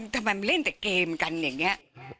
ทำไมมันเล่นแต่เกมกันอย่างนี้